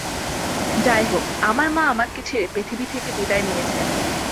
যাই হোক, আমার মা আমাকে ছেড়ে পৃথিবীতে থেকে বিদায় নিয়েছেন।